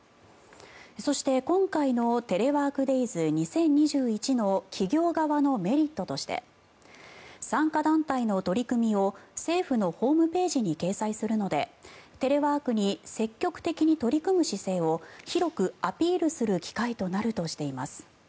そして、今回のテレワーク・デイズ２０２１の企業側のメリットとして参加団体の取り組みを政府のホームページに掲載するのでテレワークに積極的に取り組む姿勢を広くアピールする機会となるとしています。